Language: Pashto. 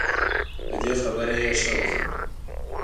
په دې خبره یې ښه وخندل.